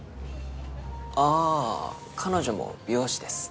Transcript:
あぁ彼女も美容師です